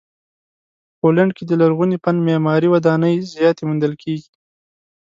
پولنډ کې د لرغوني فن معماري ودانۍ زیاتې موندل کیږي.